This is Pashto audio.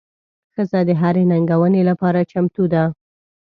ښځه د هرې ننګونې لپاره چمتو ده.